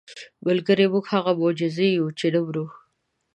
مګر موږ هغه معجزې یو چې نه مرو.